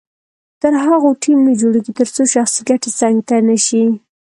تر هغو ټیم نه جوړیږي تر څو شخصي ګټې څنګ ته نه شي.